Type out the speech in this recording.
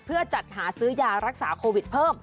เพื่อจัดหาซื้อยารักษาโควิดเพิ่ม